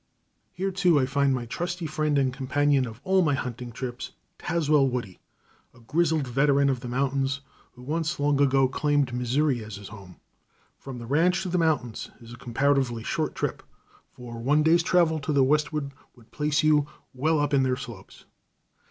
Here, too, I find my trusty friend and companion of all my hunting trips, Tazwell Woody, a grizzled veteran of the mountains, who once long ago claimed Missouri as his home. From the ranch to the mountains is a comparatively short trip, for one day's travel to the westward would place you well up on their slopes.